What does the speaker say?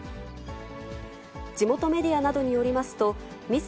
地元メディアなどによりますと、ミス・